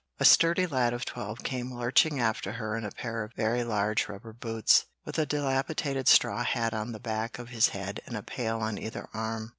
A sturdy lad of twelve came lurching after her in a pair of very large rubber boots, with a dilapidated straw hat on the back of his head and a pail on either arm.